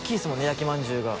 焼きまんじゅうが。